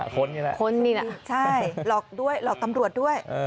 คนนี่แหละคนนี่น่ะใช่หลอกด้วยหลอกตำรวจด้วย